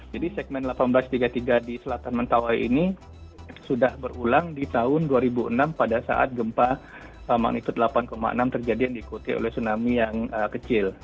jadi segmen seribu delapan ratus tiga puluh tiga di selatan mentawai ini sudah berulang di tahun dua ribu enam pada saat gempa manitut delapan enam terjadi dan diikuti oleh tsunami yang kecil